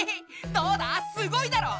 どうだすごいだろう！